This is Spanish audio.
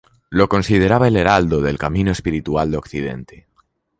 Lo consideraba "el Heraldo del camino espiritual de Occidente".